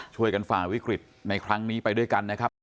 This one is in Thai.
ฝ่าวิกฤตในครั้งนี้ไปด้วยกันนะครับ